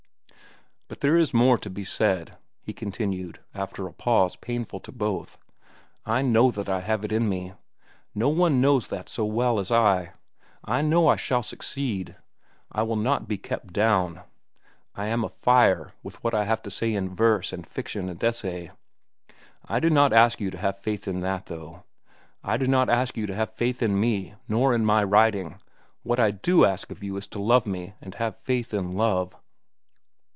"But there is more to be said," he continued, after a pause painful to both. "I know what I have in me. No one knows that so well as I. I know I shall succeed. I will not be kept down. I am afire with what I have to say in verse, and fiction, and essay. I do not ask you to have faith in that, though. I do not ask you to have faith in me, nor in my writing. What I do ask of you is to love me and have faith in love.